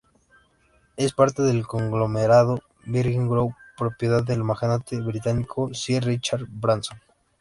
Es parte del conglomerado Virgin Group, propiedad del magnate británico Sir Richard Branson.